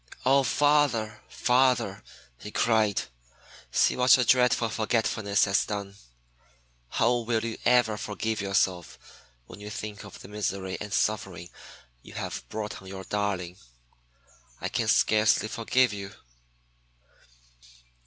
"Oh, father, father," he cried, "see what your dreadful forgetfulness has done! How will you ever forgive yourself when you think of the misery and suffering you have brought on your darling! I can scarcely forgive you."